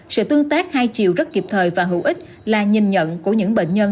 sự tương tác hai chiều rất kịp thời và hữu ích là nhìn nhận của những bệnh nhân